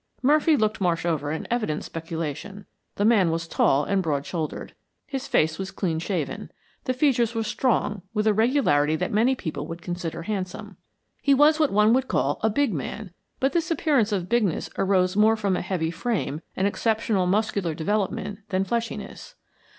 Murphy looked Marsh over in evident speculation. The man was tall and broad shouldered. His face was clean shaven. The features were strong, with a regularity that many people would consider handsome. He was what one would call a big man, but this appearance of bigness arose more from a heavy frame, and exceptional muscular development, than fleshiness.